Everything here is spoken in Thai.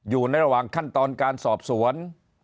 อยู่ในระหว่างขั้นตอนการสอบสวน